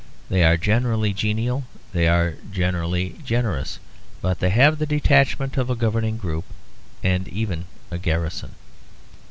They are generally genial, they are generally generous, but they have the detachment of a governing group and even a garrison.